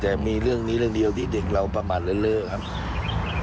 แต่มีเรื่องนี้เรื่องเดียวที่เด็กเราประมาทเลิศครับ